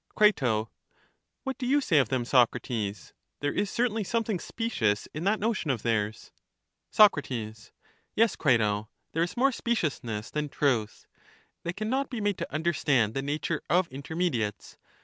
Cri, What do you say of them, Socrates? There is certainly something specious in that notion of theirs. Soc. Yes, Crito, there is more speciousness than truth ; they can not be made to understand the nature of intermediates.